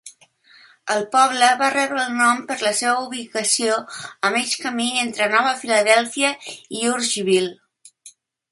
El poble va rebre el nom per la seva ubicació a mig camí entre Nova Filadèlfia i Uhrichsville.